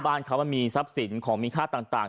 บ้านเขามันมีทรัพย์สินของมีค่าต่าง